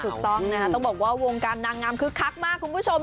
ถูกต้องนะคะต้องบอกว่าวงการนางงามคึกคักมากคุณผู้ชม